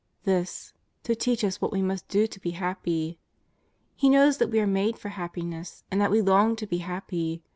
This — to teach "US what we must do to be happy. He knows that we are made for happiness, and that we long to be happy.